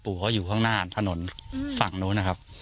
เขาอยู่ข้างหน้าถนนฝั่งนู้นนะครับ